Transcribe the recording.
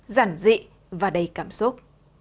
giản dị và đầy cảm xúc